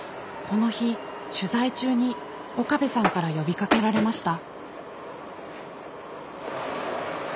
この日取材中に岡部さんから呼びかけられました。